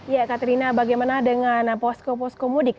ya katrina bagaimana dengan posko posko mudik